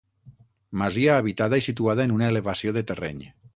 Masia habitada i situada en una elevació de terreny.